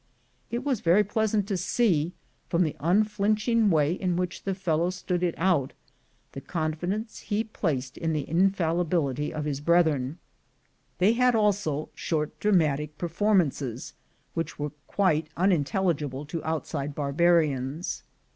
It was very pleasant to see, from the unflinch ing way in which the fellow stood it out, the confi dence he placed in the infallibility of his brethren. They had also short dramatic performances, which were quite unintelligible to outside barbarians.